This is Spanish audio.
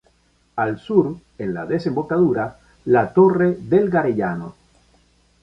Al sur, en la desembocadura, la Torre del Garellano.